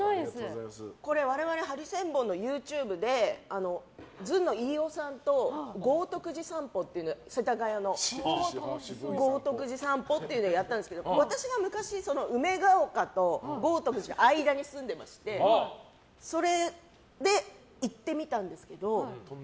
これ、我々ハリセンボンのＹｏｕＴｕｂｅでずんの飯尾さんと豪徳寺散歩っていうのをやったんですけど私が昔、梅ヶ丘と豪徳寺の間に住んでましてそれで、行ってみたんですけど